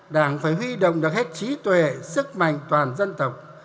đảng phải huy động được hết trí tuệ sức mạnh toàn dân tộc